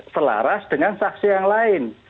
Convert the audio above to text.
selaras dengan saksi yang lain